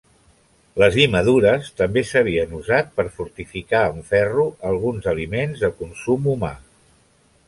Les llimadures també s'havien usat per fortificar en ferro alguns aliments de consum humà.